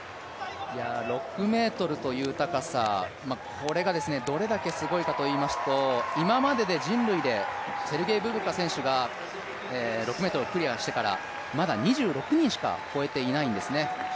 ６ｍという高さがどれだけすごいかといいますと今までで、人類で、セルゲイ・ブブカ選手が６ｍをクリアしてからまだ２６人しか越えていないんですね。